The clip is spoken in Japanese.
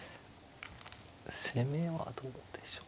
攻めはどうでしょう。